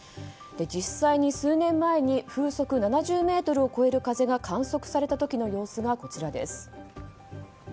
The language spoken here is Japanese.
実際に数年前に風速７０メートルを超える風が観測された時の様子がこちらです。